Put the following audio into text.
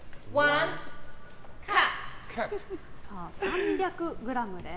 ３００ｇです。